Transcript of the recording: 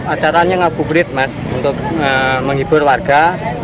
acaranya ngabuburit mas untuk menghibur warga